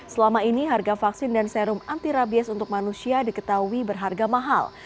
selama ini harga vaksin dan serum anti rabies untuk manusia diketahui berharga mahal